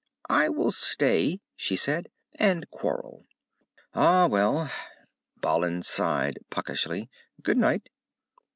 "I will stay," she said, "and quarrel." "Ah, well." Balin sighed puckishly. "Good night."